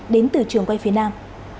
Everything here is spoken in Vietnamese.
đến từ trường quay phía nam